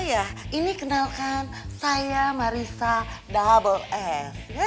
iya ini kenalkan saya marissa double s